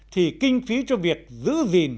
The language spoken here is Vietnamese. thì kinh phí cho việc giữ gìn